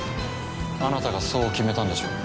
あなたがそう決めたんでしょう？